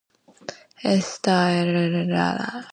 Está situado en la parte nordeste de Santa Maria.